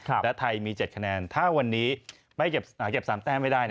และไทยมี๗คะแนนถ้าวันนี้เก็บ๓แต้มไม่ได้